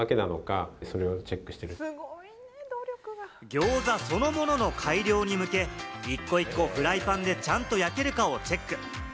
餃子そのものの改良に向け、１個１個フライパンでちゃんと焼けるかをチェック。